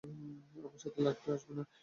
আমার সাথে লাগতে আসবে না।